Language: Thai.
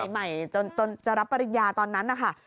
ใหม่จนจะรับปริญญาตอนนั้นนะคะ